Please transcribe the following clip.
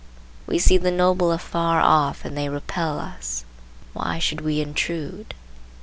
We see the noble afar off and they repel us; why should we intrude?